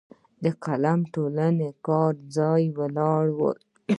د قلم ټولنې کار ځای ته ولاړو.